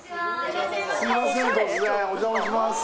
すいません突然お邪魔します